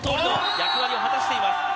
役割を果たしています。